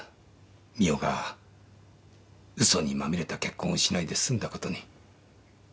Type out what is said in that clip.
未央がうそにまみれた結婚をしないで済んだことに。